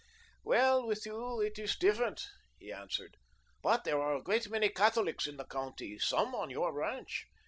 Well, with you it is different," he answered. "But there are a great many Catholics in the county some on your ranch.